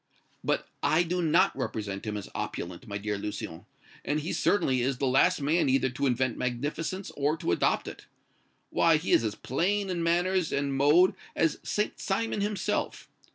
"But I do not represent him as opulent, my dear Lucien; and he certainly is the last man either to invent magnificence or to adopt it. Why, he is as plain in manners and mode as St. Simon himself.